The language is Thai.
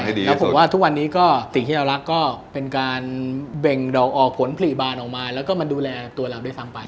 แล้วผมว่าทุกวันนี้ก็สิ่งที่เรารักก็เป็นการเบ่งดอกออกผลผลิบานออกมาแล้วก็มาดูแลตัวเราด้วยซ้ำไป